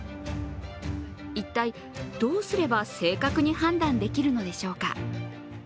一体、どうすれば正確に判断できるのでしょうか。